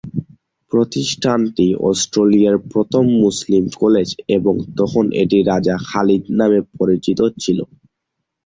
প্রতিষ্ঠানটি অস্ট্রেলিয়ার প্রথম মুসলিম কলেজ এবং তখন এটি রাজা খালিদ নামে পরিচিত ছিল।